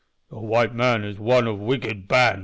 "The white man is one of wicked band?"